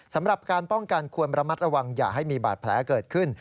สำหรับการป้องกันควรระมัดระวังอย่าให้มีบาดแผลเกิดขึ้น